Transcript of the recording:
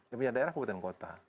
yang punya daerah kabupaten kota